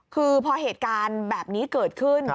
คือพอเหตุการณ์แบบนี้เกิดขึ้น